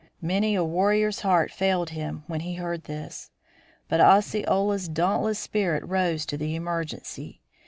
Many a warrior's heart failed him when he heard this. But Osceola's dauntless spirit rose to the emergency.